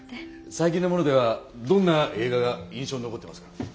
最近のものではどんな映画が印象に残ってますか？